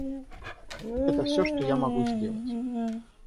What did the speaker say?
Это всё, что я могу сделать.